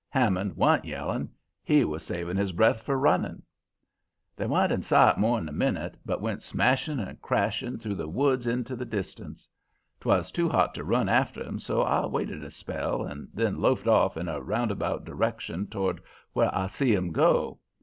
Hammond wa'n't yelling; he was saving his breath for running. "They wa'n't in sight more'n a minute, but went smashing and crashing through the woods into the distance. 'Twas too hot to run after 'em, so I waited a spell and then loafed off in a roundabout direction toward where I see 'em go.